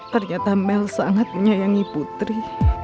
ternyata mel sangat menyayangi putri